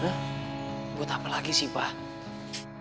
buat apa lagi sih pak